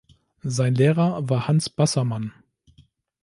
Sein Lehrer war Hans Bassermann.